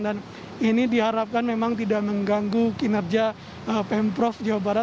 dan ini diharapkan memang tidak mengganggu kinerja pemprov jawa barat